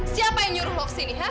siapa yang nyuruh lu ke sini ha